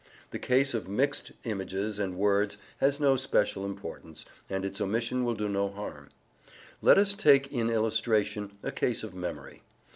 The case of mixed images and words has no special importance, and its omission will do no harm. Let us take in illustration a case of memory.